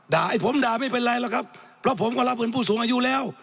ไอ้ผมด่าไม่เป็นไรหรอกครับเพราะผมก็รับเงินผู้สูงอายุแล้ว